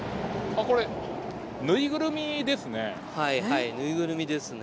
これはいはいぬいぐるみですね。